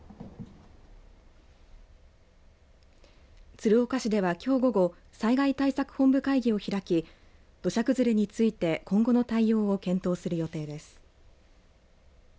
鶴岡市では、きょう午後災害対策本部会議を開き土砂崩れについて今後の対応を検討する予定です。